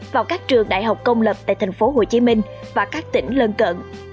vào các trường đại học công lập tại thành phố hồ chí minh và các tỉnh lân cận